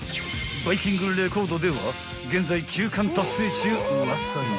バイキングレコードでは現在９冠達成中ウワサに］